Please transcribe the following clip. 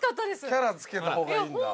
キャラ付けた方がいいんだ。